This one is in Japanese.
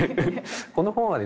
この本はですね